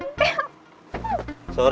tidak ada cinta